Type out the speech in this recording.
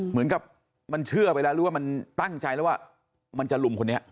เหมือนกับมันเชื่อไปแล้วหรือว่ามันตั้งใจแล้วว่ามันจะลุมคนนี้